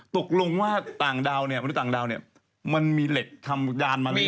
ตกลงว่าต่างดาวเนี่ยมนุษย์ต่างดาวเนี่ยมันมีเหล็กทำยานมาเลย